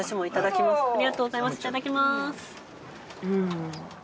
いただきます。